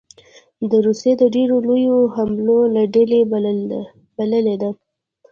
د روسیې د ډېرو لویو حملو له ډلې بللې ده